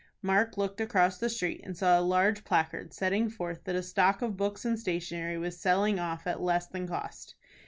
Mark looked across the street, and saw a large placard, setting forth that a stock of books and stationery was selling off at less than cost.